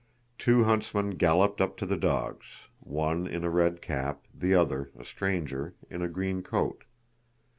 Two huntsmen galloped up to the dogs; one in a red cap, the other, a stranger, in a green coat.